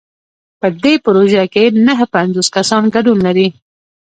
په دې پروژه کې نهه پنځوس کسان ګډون لري.